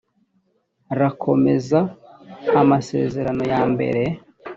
rakomeza amasezerano ya mbere